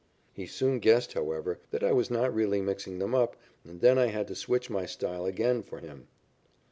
He soon guessed, however, that I was not really mixing them up, and then I had to switch my style again for him.